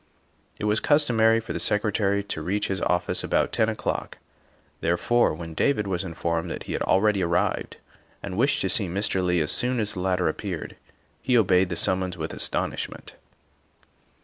It was customary for the Secretary to reach his office about ten o'clock, therefore, when David was informed that he had already arrived and wished to see Mr. Leigh as soon as the latter appeared, he obeyed the summons with astonishment.